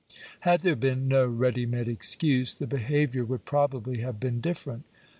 Had there been no (ready made excuse, the behaviour would probably have been ^different.